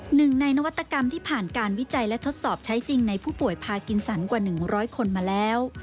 หนึ่งในนวัตกรรมที่ผ่านการวิจัยและทดสอบใช้จริงในผู้ป่วยพากินสันกว่า๑๐๐คนมาแล้ว